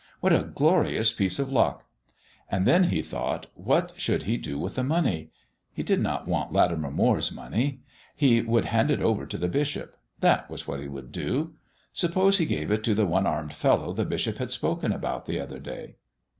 What a glorious piece of luck! And then he thought, what should he do with the money? He did not want Latimer Moire's money. He would hand it over to the bishop; that was what he would do. Suppose he gave it to that one armed fellow the bishop had spoken about the other day.